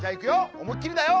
おもいっきりだよ！